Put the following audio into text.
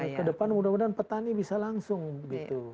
nah ke depan mudah mudahan petani bisa langsung gitu